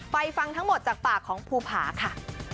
ฟังทั้งหมดจากปากของภูผาค่ะ